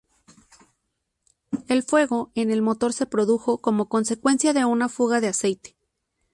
El fuego en el motor se produjo como consecuencia de una fuga de aceite.